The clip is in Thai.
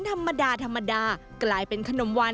ธรรมดาธรรมดากลายเป็นขนมวัน